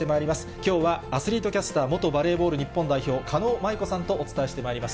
きょうはアスリートキャスター、元バレーボール日本代表、狩野舞子さんとお伝えしてまいります。